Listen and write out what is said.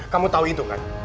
kamu tahu itu kan